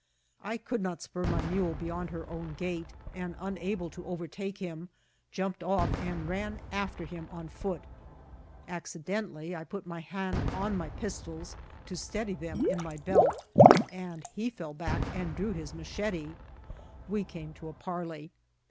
I could not spur my mule beyond her own gait, and, unable to over take him, jumped off and ran after him on fooU Acci dentally I put my hand on my pistols, to steady them in my belt, and he fell back and drew his machete. We came to a parley.